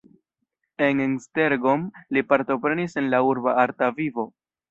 En Esztergom li partoprenis en la urba arta vivo.